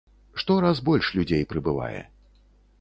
Штораз больш людзей прыбывае.